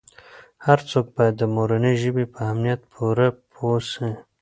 هر څوک باید د مورنۍ ژبې په اهمیت پوره پوه سي.